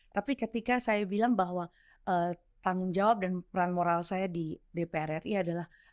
tapi ketika saya bilang bahwa tanggung jawab dan peran moral saya di dpr ri adalah